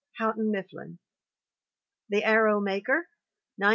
Houghton Mifflin. The Arrow Maker, 1911.